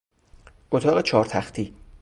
اتاق چهار تختی